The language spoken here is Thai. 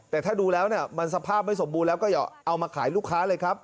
แต่ถ้าดูแล้วเนี่ยมันสภาพไม่สมบูรณ์แล้วก็อย่าเอามาขายลูกค้าเลยครับ